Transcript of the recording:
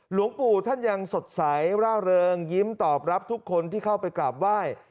หลวงปู่ท่านยังสดใสร่าเริงยิ้มตอบรับทุกคนที่เข้าไปกราบไหว้